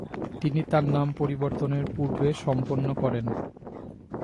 তিনি তার নাম পরিবর্তনের পূর্বে সম্পন্ন করেন।